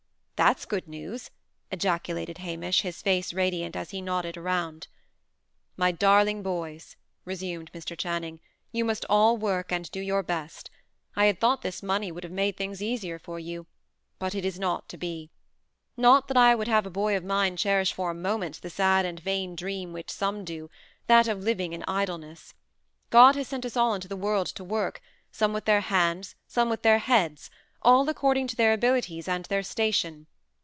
"That's good news!" ejaculated Hamish, his face radiant, as he nodded around. "My darling boys," resumed Mr. Channing, "you must all work and do your best. I had thought this money would have made things easier for you; but it is not to be. Not that I would have a boy of mine cherish for a moment the sad and vain dream which some do that of living in idleness. God has sent us all into the world to work; some with their hands, some with their heads; all according to their abilities and their station.